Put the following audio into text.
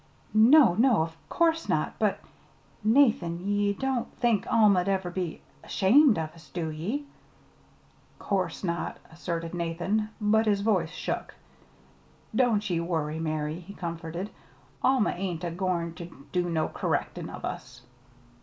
"No, no, of course not; but Nathan, ye don't think Alma'd ever be ashamed of us, do ye?" "'Course not!" asserted Nathan, but his voice shook. "Don't ye worry, Mary," he comforted. "Alma ain't a goin' ter do no kerrectin' of us."